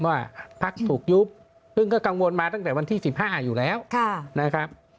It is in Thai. ว่าพักถูกยุบซึ่งก็กังวลมาตั้งแต่วันที่๑๕อยู่แล้วนะครับ